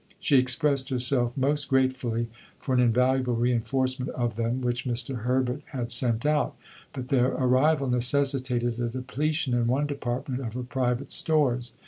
She expressed herself most gratefully for an "invaluable reinforcement" of them which Mr. Herbert had sent out; but their arrival necessitated a depletion in one department of her private stores.